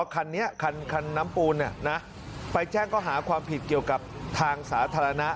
คันนี้คันน้ำปูนไปแจ้งเขาหาความผิดเกี่ยวกับทางสาธารณะ